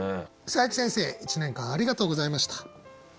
佐伯先生１年間ありがとうございました。